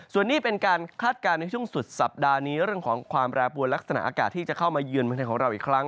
ส่วนนี้เป็นการคาดการณ์ในช่วงสุดสัปดาห์นี้เรื่องของความแปรปวนลักษณะอากาศที่จะเข้ามาเยือนเมืองไทยของเราอีกครั้ง